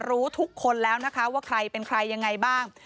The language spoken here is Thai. รู้ทุกคนแล้วนะคะว่าใครเป็นใครยังไงบ้าง